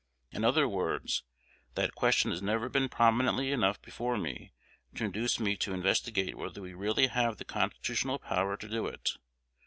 In other words, that question has never been prominently enough before me to induce me to investigate whether we really have the constitutional power to do it.